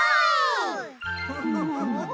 フフフフフ。